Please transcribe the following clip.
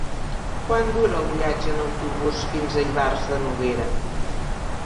Quant dura el viatge en autobús fins a Ivars de Noguera?